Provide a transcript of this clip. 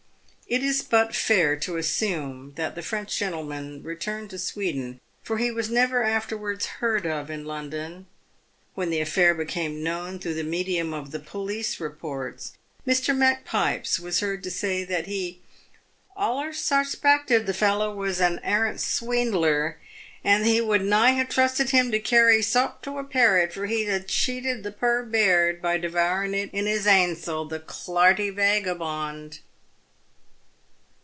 It is but fair to assume that the French gentleman returned to Sweden, for he was never afterwards heard of in London. "When the aifair became known through the medium of the police reports, Mr. Macpipes was heard to say that he " allers sauspackted the fallow was an airant sweendler, and that he would na hae trusted him to* cairy sop to a pairet, for he'd hae cheated the puir baird by devoorin' it his ainseP, the clarty vaigabond